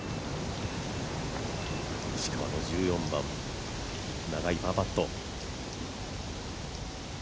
石川の１４番長いパーパット。